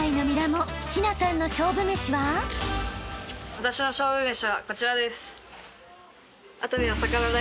私の勝負めしはこちらです。